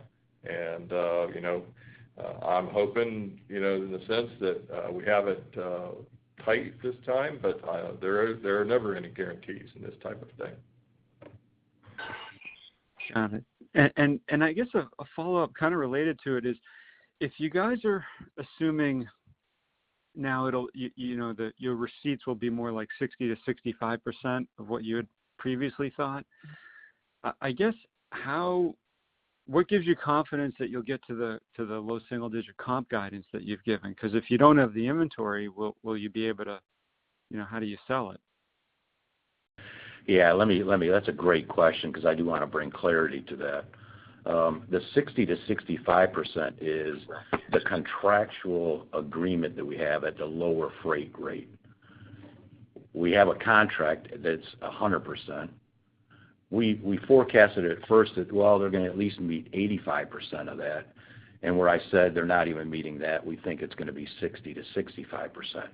I'm hoping, in the sense that, we have it tight this time, but there are never any guarantees in this type of thing. Got it. I guess a follow-up kind of related to it is, if you guys are assuming now your receipts will be more like 60%-65% of what you had previously thought. I guess, what gives you confidence that you'll get to the low single-digit comp guidance that you've given? If you don't have the inventory, how do you sell it? Yeah. That's a great question because I do want to bring clarity to that. The 60%-65% is the contractual agreement that we have at the lower freight rate. We have a contract that's 100%. We forecasted at first that, well, they're going to at least meet 85% of that. Where I said they're not even meeting that, we think it's going to be 60%-65%.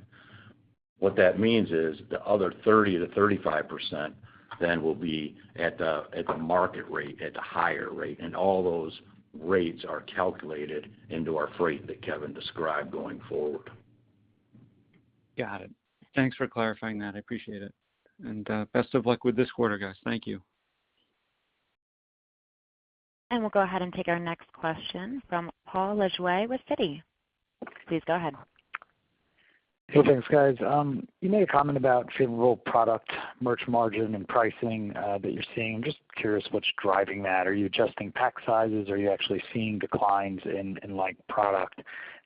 What that means is the other 30%-35% then will be at the market rate, at the higher rate, and all those rates are calculated into our freight that Kevin described going forward. Got it. Thanks for clarifying that. I appreciate it. Best of luck with this quarter, guys. Thank you. We'll go ahead and take our next question from Paul Lejuez with Citi. Please go ahead. Hey, thanks, guys. You made a comment about favorable product merch margin and pricing that you're seeing. I'm just curious what's driving that. Are you adjusting pack sizes? Are you actually seeing declines in like product?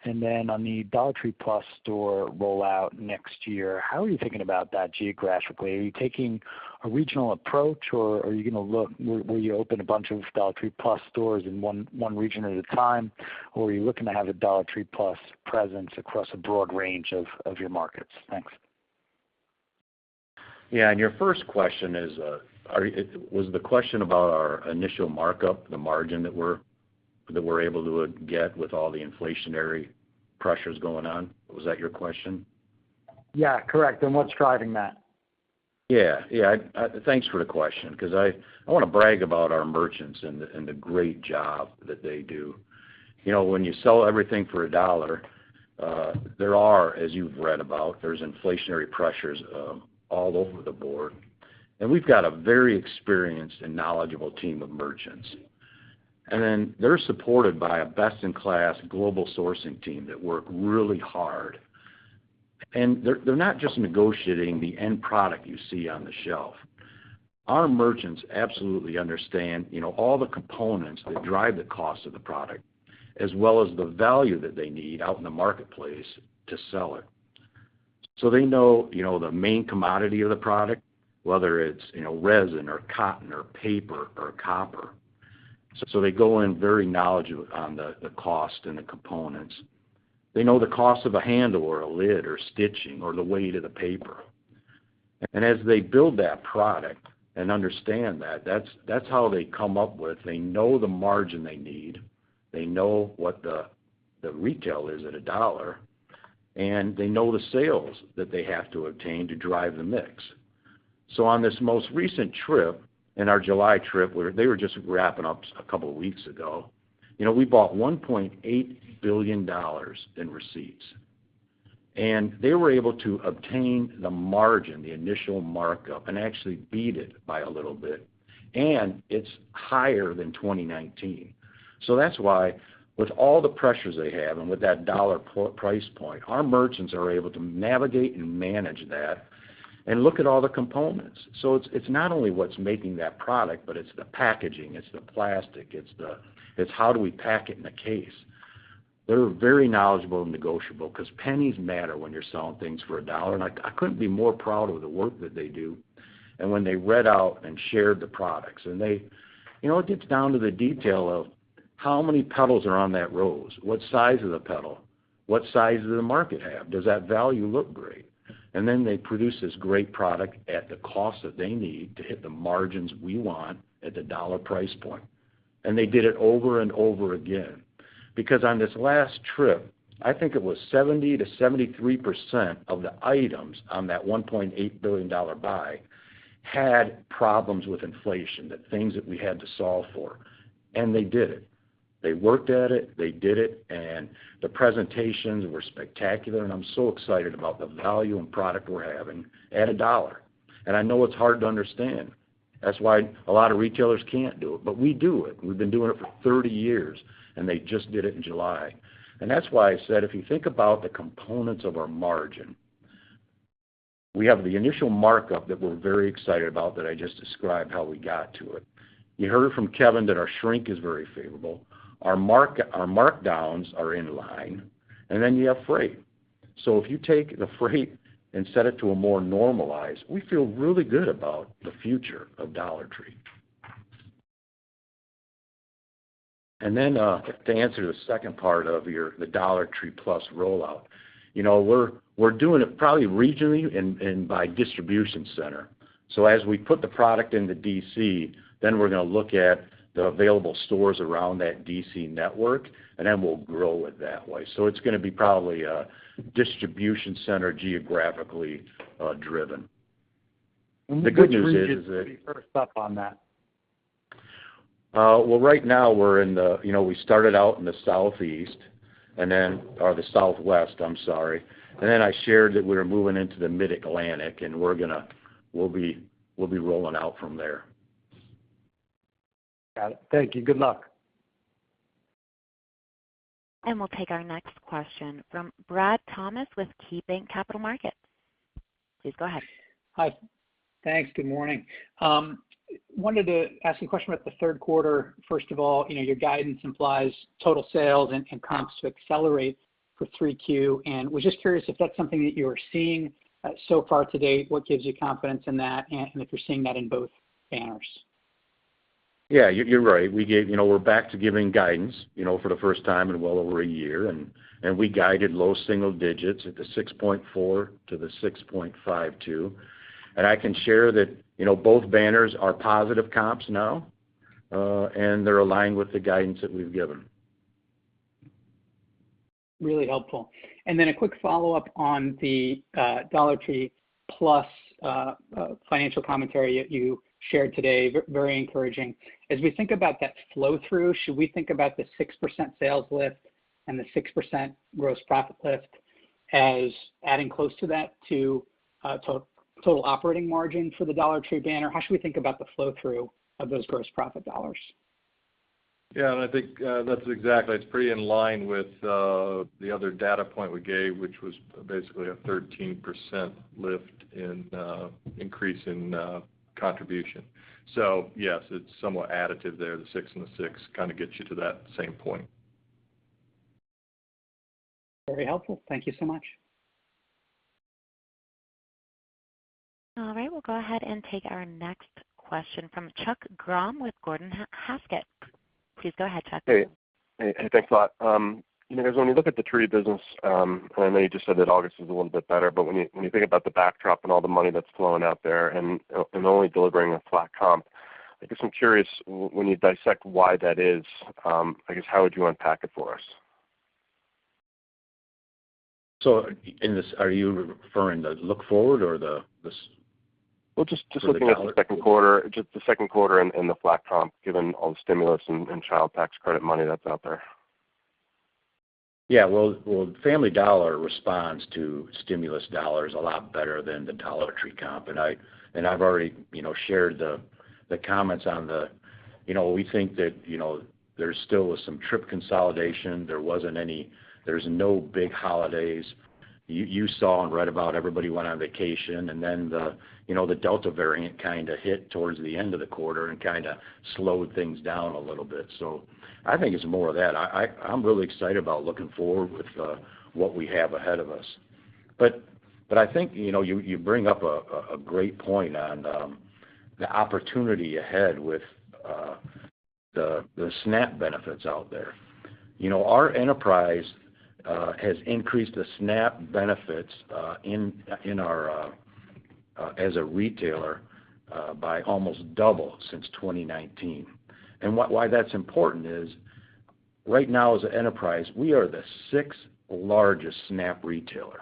On the Dollar Tree Plus store rollout next year, how are you thinking about that geographically? Are you taking a regional approach, or will you open a bunch of Dollar Tree Plus stores in one region at a time? Or are you looking to have a Dollar Tree Plus presence across a broad range of your markets? Thanks. Yeah, your first question, was the question about our initial markup, the margin that we're able to get with all the inflationary pressures going on? Was that your question? Yeah, correct. What's driving that? Yeah. Thanks for the question, because I want to brag about our merchants and the great job that they do. When you sell everything for $1, there are, as you've read about, there's inflationary pressures all over the board. We've got a very experienced and knowledgeable team of merchants. Then they're supported by a best-in-class global sourcing team that work really hard. They're not just negotiating the end product you see on the shelf. Our merchants absolutely understand all the components that drive the cost of the product, as well as the value that they need out in the marketplace to sell it. They know the main commodity of the product, whether it's resin or cotton or paper or copper. They go in very knowledgeable on the cost and the components. They know the cost of a handle or a lid or stitching or the weight of the paper. As they build that product and understand that's how they come up with, they know the margin they need, they know what the retail is at $1, and they know the sales that they have to obtain to drive the mix. On this most recent trip, in our July trip, where they were just wrapping up a couple of weeks ago, we bought $1.8 billion in receipts, and they were able to obtain the margin, the initial markup, and actually beat it by a little bit. It's higher than 2019. That's why with all the pressures they have and with that dollar price point, our merchants are able to navigate and manage that and look at all the components. It's not only what's making that product, but it's the packaging, it's the plastic, it's how do we pack it in a case. They're very knowledgeable and negotiable because pennies matter when you're selling things for a dollar, and I couldn't be more proud of the work that they do. When they read out and shared the products, and it gets down to the detail of how many petals are on that rose, what size is the petal, what size does the market have, does that value look great? They produce this great product at the cost that they need to hit the margins we want at the dollar price point. They did it over and over again. On this last trip, I think it was 70%-73% of the items on that $1.8 billion buy had problems with inflation, the things that we had to solve for. They did it. They worked at it, they did it, and the presentations were spectacular, and I'm so excited about the value and product we're having at a dollar. I know it's hard to understand. That's why a lot of retailers can't do it, but we do it. We've been doing it for 30 years, and they just did it in July. That's why I said, if you think about the components of our margin, we have the initial markup that we're very excited about that I just described how we got to it. You heard it from Kevin that our shrink is very favorable. Our markdowns are in line, and then you have freight. If you take the freight and set it to a more normalized, we feel really good about the future of Dollar Tree. To answer the second part of the Dollar Tree Plus rollout, we're doing it probably regionally and by distribution center. As we put the product into DC, then we're going to look at the available stores around that DC network, and then we'll grow it that way. It's going to be probably distribution center geographically driven. Which region is the first up on that? Well, right now, we started out in the Southeast, or the Southwest, I'm sorry. Then I shared that we're moving into the Mid-Atlantic, and we'll be rolling out from there. Got it. Thank you. Good luck. We'll take our next question from Brad Thomas with KeyBanc Capital Markets. Please go ahead. Hi. Thanks. Good morning. Wanted to ask a question about the third quarter. First of all, your guidance implies total sales and comps to accelerate for 3Q. Was just curious if that's something that you are seeing so far to date, what gives you confidence in that, and if you're seeing that in both banners? Yeah, you're right. We're back to giving guidance for the first time in well over a year. We guided low single digits at the 6.4-6.52. I can share that both banners are positive comps now, and they're aligned with the guidance that we've given. Really helpful. A quick follow-up on the Dollar Tree Plus financial commentary that you shared today, very encouraging. As we think about that flow-through, should we think about the 6% sales lift and the 6% gross profit lift as adding close to that to total operating margin for the Dollar Tree banner? How should we think about the flow-through of those gross profit dollars? Yeah, I think that's exactly, it's pretty in line with the other data point we gave, which was basically a 13% lift in increase in contribution. Yes, it's somewhat additive there. The 6% and the 6% kind of gets you to that same point. Very helpful. Thank you so much. All right, we'll go ahead and take our next question from Chuck Grom with Gordon Haskett. Please go ahead, Chuck. Hey. Thanks a lot. When we look at the Tree business, and I know you just said that August was a little bit better, but when you think about the backdrop and all the money that's flowing out there and only delivering a flat comp, I guess I'm curious when you dissect why that is, I guess, how would you unpack it for us? In this, are you referring the look forward or for the Dollar Tree? Well, just looking at the second quarter and the flat comp, given all the stimulus and Child Tax Credit money that's out there. Yeah. Well, Family Dollar responds to stimulus dollars a lot better than the Dollar Tree comp. I've already shared the comments. We think that there still was some trip consolidation. There's no big holidays. You saw and read about everybody went on vacation, and then the Delta variant kind of hit towards the end of the quarter and kind of slowed things down a little bit. I think it's more of that. I'm really excited about looking forward with what we have ahead of us. I think you bring up a great point on the opportunity ahead with the SNAP benefits out there. Our enterprise has increased the SNAP benefits as a retailer by almost double since 2019. Why that's important is right now as an enterprise, we are the sixth-largest SNAP retailer,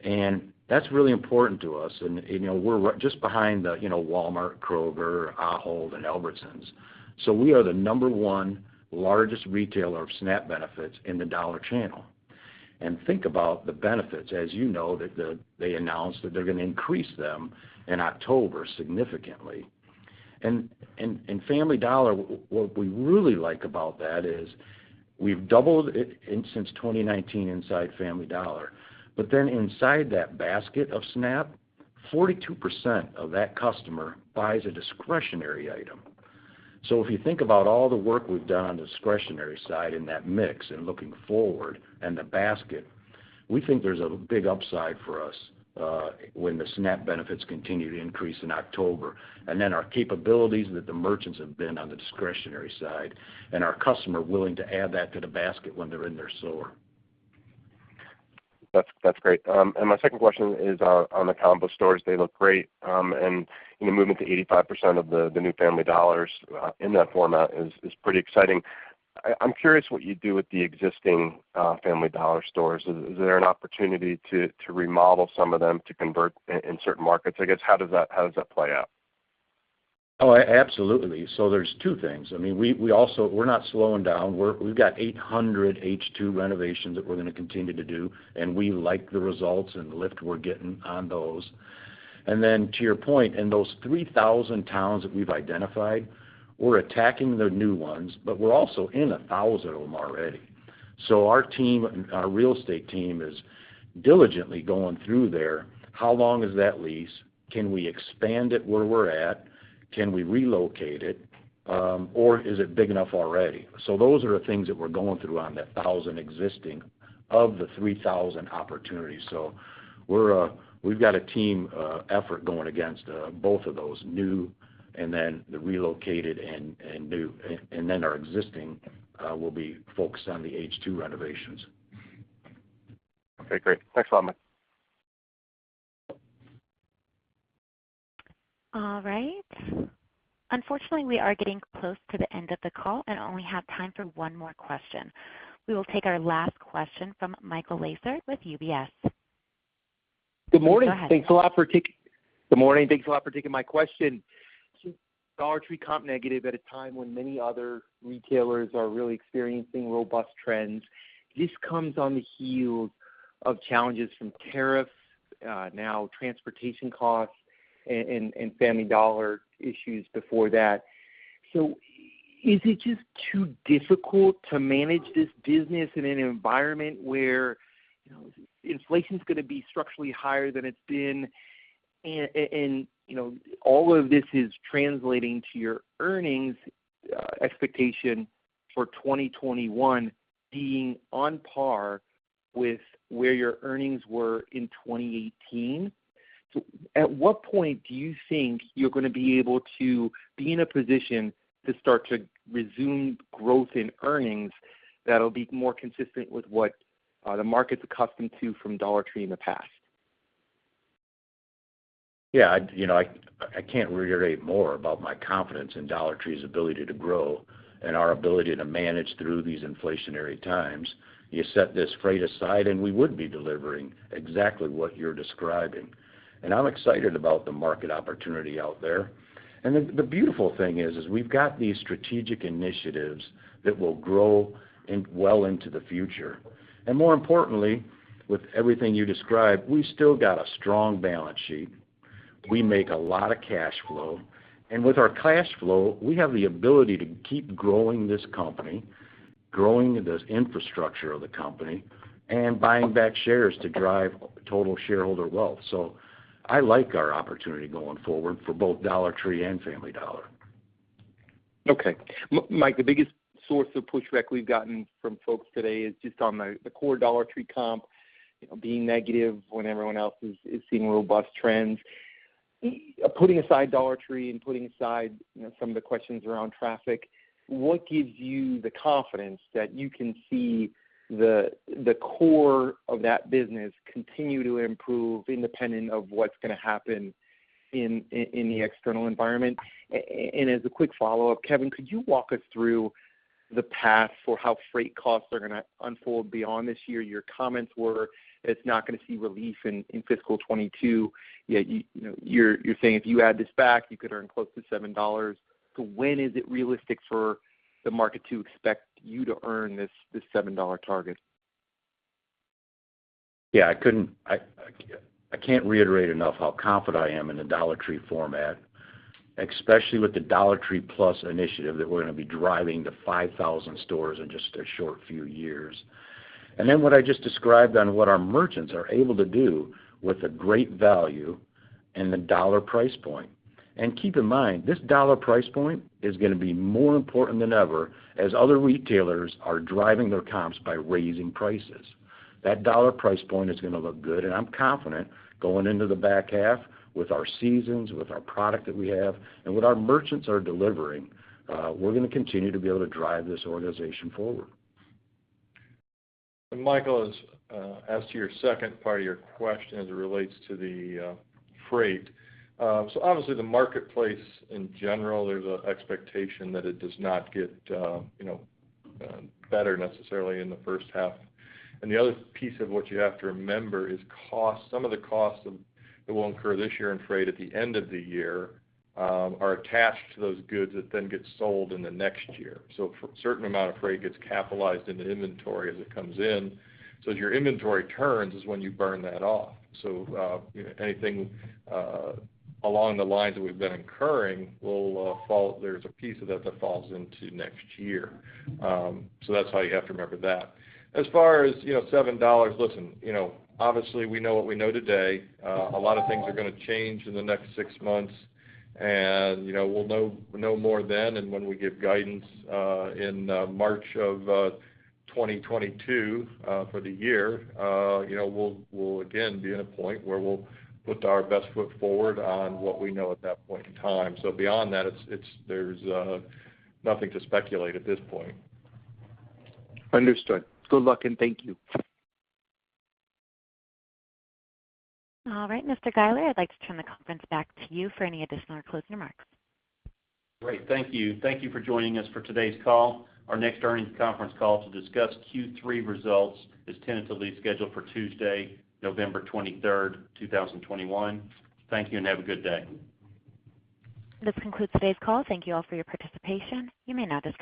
and that's really important to us. We're just behind Walmart, Kroger, Ahold, and Albertsons. We are the number one largest retailer of SNAP benefits in the dollar channel. Think about the benefits, as you know, that they announced that they're going to increase them in October significantly. Family Dollar, what we really like about that is we've doubled it since 2019 inside Family Dollar. Inside that basket of SNAP, 42% of that customer buys a discretionary item. If you think about all the work we've done on the discretionary side in that mix and looking forward and the basket, we think there's a big upside for us when the SNAP benefits continue to increase in October. Our capabilities that the merchants have been on the discretionary side and our customer willing to add that to the basket when they're in their store. That's great. My second question is on the Combo Stores. They look great. The movement to 85% of the new Family Dollar in that format is pretty exciting. I'm curious what you do with the existing Family Dollar stores. Is there an opportunity to remodel some of them to convert in certain markets? I guess, how does that play out? Oh, absolutely. There's two things. We're not slowing down. We've got 800 H2 renovations that we're going to continue to do, and we like the results and the lift we're getting on those. To your point, in those 3,000 towns that we've identified, we're attacking the new ones, but we're also in 1,000 of them already. Our real estate team is diligently going through there. How long is that lease? Can we expand it where we're at? Can we relocate it? Or is it big enough already? Those are the things that we're going through on the 1,000 existing of the 3,000 opportunities. We've got a team effort going against both of those, new and then the relocated and new. Our existing will be focused on the H2 renovations. Okay, great. Thanks a lot, man. All right. Unfortunately, we are getting close to the end of the call and only have time for one more question. We will take our last question from Michael Lasser with UBS. Go ahead. Good morning. Thanks a lot for taking my question. Dollar Tree comp negative at a time when many other retailers are really experiencing robust trends. This comes on the heel of challenges from tariffs, now transportation costs and Family Dollar issues before that. Is it just too difficult to manage this business in an environment where inflation's going to be structurally higher than it's been, and all of this is translating to your earnings expectation for 2021 being on par with where your earnings were in 2018? At what point do you think you're going to be able to be in a position to start to resume growth in earnings that'll be more consistent with what the market's accustomed to from Dollar Tree in the past? I can't reiterate more about my confidence in Dollar Tree's ability to grow and our ability to manage through these inflationary times. You set this freight aside, we would be delivering exactly what you're describing. I'm excited about the market opportunity out there. The beautiful thing is, we've got these strategic initiatives that will grow well into the future. More importantly, with everything you described, we still got a strong balance sheet. We make a lot of cash flow. With our cash flow, we have the ability to keep growing this company, growing the infrastructure of the company, and buying back shares to drive total shareholder wealth. I like our opportunity going forward for both Dollar Tree and Family Dollar. Okay. Mike, the biggest source of pushback we've gotten from folks today is just on the core Dollar Tree comp being negative when everyone else is seeing robust trends. Putting aside Dollar Tree and putting aside some of the questions around traffic, what gives you the confidence that you can see the core of that business continue to improve independent of what's going to happen in the external environment? As a quick follow-up, Kevin, could you walk us through the path for how freight costs are going to unfold beyond this year? Your comments were that it's not going to see relief in fiscal 2022. You're saying if you add this back, you could earn close to $7. When is it realistic for the market to expect you to earn this $7 target? Yeah, I can't reiterate enough how confident I am in the Dollar Tree format, especially with the Dollar Tree Plus initiative that we're going to be driving to 5,000 stores in just a short few years. Then what I just described on what our merchants are able to do with the great value and the dollar price point. Keep in mind, this dollar price point is going to be more important than ever as other retailers are driving their comps by raising prices. That dollar price point is going to look good, I'm confident going into the back half with our seasons, with our product that we have, and what our merchants are delivering, we're going to continue to be able to drive this organization forward. Michael, as to your second part of your question as it relates to the freight. Obviously the marketplace in general, there's an expectation that it does not get better necessarily in the first half. The other piece of what you have to remember is some of the costs that we'll incur this year in freight at the end of the year are attached to those goods that then get sold in the next year. A certain amount of freight gets capitalized into inventory as it comes in. As your inventory turns is when you burn that off. Anything along the lines that we've been incurring, there's a piece of that that falls into next year. That's how you have to remember that. As far as $7, listen, obviously we know what we know today. A lot of things are going to change in the next six months and we'll know more then, and when we give guidance in March of 2022 for the year, we'll again be in a point where we'll put our best foot forward on what we know at that point in time. Beyond that, there's nothing to speculate at this point. Understood. Good luck, and thank you. All right, Mr. Guiler, I'd like to turn the conference back to you for any additional or closing remarks. Great. Thank you. Thank you for joining us for today's call. Our next earnings conference call to discuss Q3 results is tentatively scheduled for Tuesday, November 23rd, 2021. Thank you and have a good day. This concludes today's call. Thank you all for your participation. You may now disconnect.